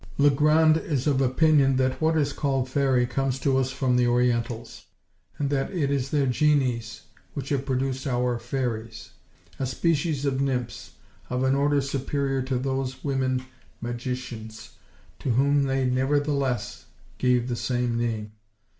Le Grand is of opinion that what is called Fairy comes to us from the Orientals, and that it is their génies which have produced our fairies; a species of nymphs, of an order superior to those women magicians, to whom they nevertheless gave the same name.